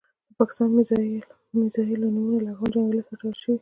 د پاکستاني میزایلو نومونه له افغان جنګیالیو سره تړل شول.